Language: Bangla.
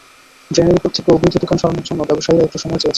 ড্রেনের ওপর থেকে অবৈধ দোকান সরানোর জন্য ব্যবসায়ীরা একটু সময় চেয়েছেন।